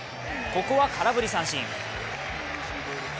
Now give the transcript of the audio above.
ここは空振り三振。